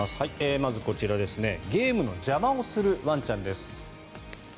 まずこちら、ゲームの邪魔をするワンちゃんです。